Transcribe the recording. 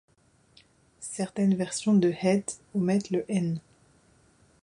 Certaines versions de head omettent le n.